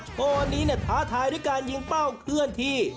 โชว์นี้เนี่ยท้าทายด้วยการยิงเป้าเคลื่อนที่